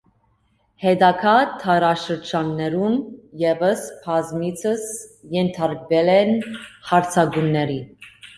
Հետագա դարաշրջաններում ևս բազմիցս ենթարկվել են հարձակումների։